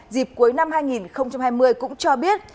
dịp cuối năm hai nghìn hai mươi cũng cho biết